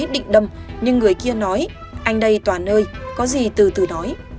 hết định đâm nhưng người kia nói anh đây toàn ơi có gì từ từ nói